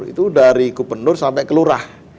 itu dari gubernur sampai kelurahan